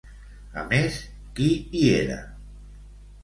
A més, qui hi era?